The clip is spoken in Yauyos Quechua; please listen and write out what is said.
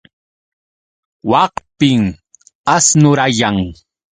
Wakpim asnurayan.